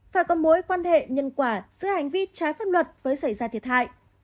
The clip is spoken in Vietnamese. phải có mối quan hệ nhân quả giữa hành vi trái pháp luật với xảy ra thiệt hại